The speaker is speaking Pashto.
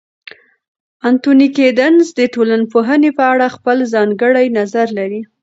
انتوني ګیدنز د ټولنپوهنې په اړه خپل ځانګړی نظر لري.